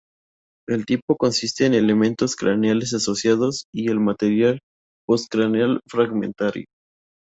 El tipo consiste en elementos craneales asociados y el material postcraneal fragmentario.